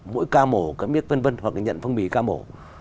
mỗi ca mổ các miếc v v hoặc là nhận phong bì ca mổ